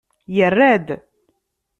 Yerra-d.